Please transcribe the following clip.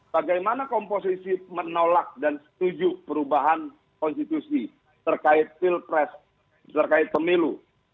bagaimana komposisi menolak dan setuju perubahan konstitusi terkait pilpres terkait pemilu